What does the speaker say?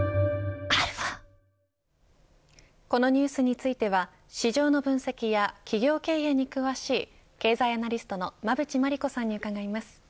このニュースについては市場の分析や企業経営に詳しい経済アナリストの馬渕磨理子さんに伺います。